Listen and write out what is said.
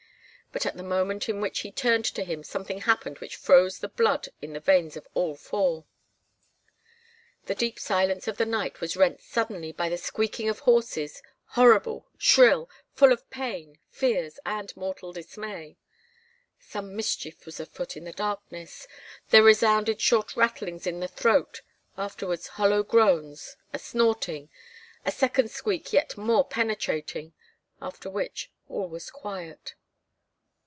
But at the moment in which he turned to him something happened which froze the blood in the veins of all four. The deep silence of the night was rent suddenly by the squeaking of horses, horrible, shrill, full of pain, fears, and mortal dismay. Some mischief was afoot in the darkness; there resounded short rattlings in the throat, afterwards hollow groans, a snorting, a second squeak yet more penetrating, after which all was quiet.